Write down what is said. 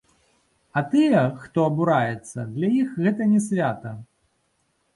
А тыя, хто абураецца, для іх гэта не свята.